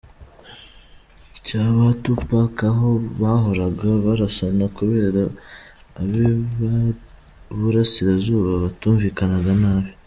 cya ba Tupac aho bahoraga barasana kubera abi Burasirazuba batumvikanaga nabi.